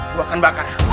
gue akan bakar